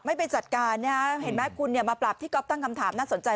ไม่ไปจัดการนะฮะเห็นไหมคุณเนี่ยมาปรับที่ก๊อฟตั้งคำถามน่าสนใจ